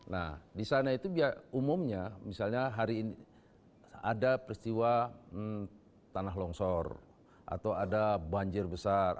nah di sana itu umumnya misalnya hari ini ada peristiwa tanah longsor atau ada banjir besar